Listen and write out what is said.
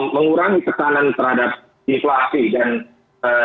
mengurangi ketanan terhadap inflasi dan ee